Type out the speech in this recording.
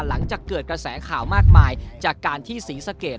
หลังจากเกิดกระแสข่าวมากมายจากการที่ศรีสะเกด